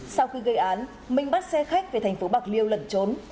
sau khi gây án minh bắt xe khách về thành phố bạc liêu lẩn trốn